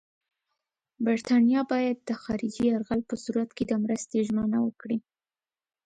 برټانیه باید د خارجي یرغل په صورت کې د مرستې ژمنه وکړي.